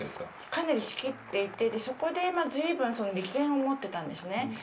かなり仕切っていてそこでずいぶん利権を持っていたんです。